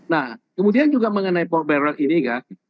nah kemudian juga mengenai port barrel ini kan